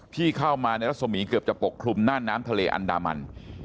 ที่เข้ามาในรัศมีร์เกือบจะปกคลุมหน้าน้ำทะเลอันดามัน